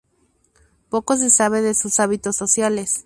Poco se sabe de sus hábitos sociales.